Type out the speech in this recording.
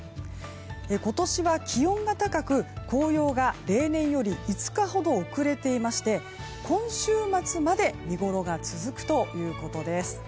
今年は気温が高く紅葉が例年より５日ほど遅れていまして今週末まで見ごろが続くということです。